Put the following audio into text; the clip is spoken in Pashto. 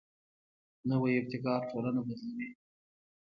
نوی ابتکار ټولنه بدلوي